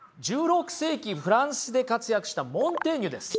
１６世紀フランスで活躍したモンテーニュです。